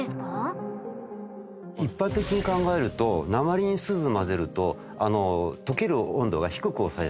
一般的に考えると鉛に錫を混ぜると溶ける温度が低く抑えられる。